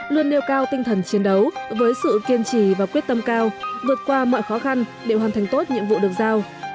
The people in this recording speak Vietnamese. luôn nêu cao tinh thần chiến đấu với sự kiên trì và quyết tâm cao vượt qua mọi khó khăn để hoàn thành tốt nhiệm vụ được giao